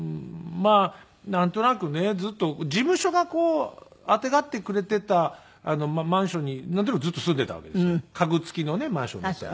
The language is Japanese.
まあなんとなくねずっと事務所があてがってくれていたマンションになんとなくずっと住んでいたわけですよ家具付きのねマンションみたいな。